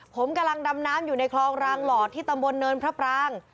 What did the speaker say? ผมกำลังดำน้ำอยู่ในคลองรางหลอดที่ตำบลเนินพระปราง